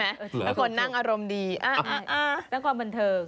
แล้วคนนั่งอารมณ์ดีเรื่องความบันเทิง